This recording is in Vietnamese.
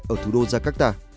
ở thủ đô jakarta